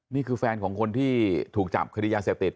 นี่คือแฟนของคนที่ถูกจับคดียาเสพติด